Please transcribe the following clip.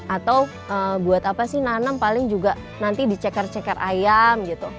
atau buat apa sih nanem paling juga nanti diceker ceker ayam gitu